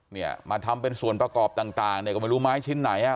เนี่ยมาทำเป็นส่วนประกอบต่างต่างเนี่ยก็ไม่รู้ไม้ชิ้นไหนอ่ะ